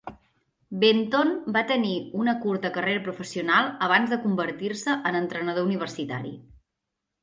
Benton va tenir una curta carrera professional abans de convertir-se en entrenador universitari.